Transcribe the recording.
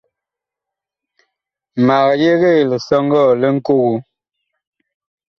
Mag yegee lisɔŋgɔɔ li Ŋkogo.